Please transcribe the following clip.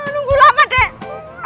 nunggu lama deh